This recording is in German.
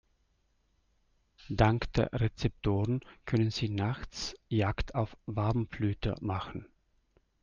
Dank der Rezeptoren können sie nachts Jagd auf Warmblüter machen.